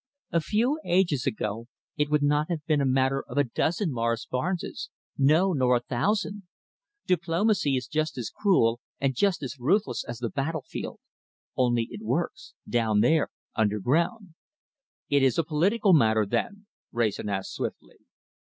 A few ages ago it would not have been a matter of a dozen Morris Barnes, no, nor a thousand! Diplomacy is just as cruel, and just as ruthless, as the battlefield, only it works, down there underground!" "It is a political matter, then?" Wrayson asked swiftly.